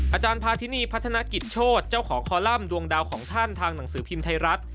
อาจารย์พาธินีพัฒนกิจโชธเจ้าของคอลัมป์ดวงดาวของท่านทางหนังสือพิมพ์ไทยรัฐ